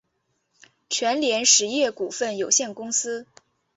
全联实业股份有限公司